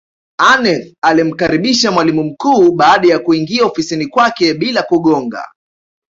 Aneth alimkaribisha mwalimu mkuu baada ya kuingia ofisini kwake bila kugonga